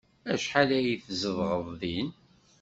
Acḥal ay tzedɣeḍ din?